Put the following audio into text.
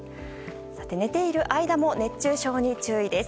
寝ている間も熱中症に注意です。